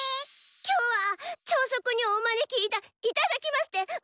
今日は朝食にお招きいた頂きましてまことに。